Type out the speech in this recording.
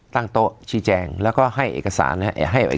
ตั้งโต๊ะชี้แจงแล้วก็ให้เอกสารนะฮะ